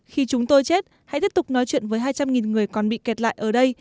khi chúng tôi chết hãy tiếp tục nói chuyện với hai trăm linh người còn bị kẹt lại ở đây